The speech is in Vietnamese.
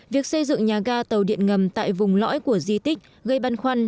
việc xây dựng nhà ga tàu điện ngầm tại vùng lõi của di tích gây băn khoăn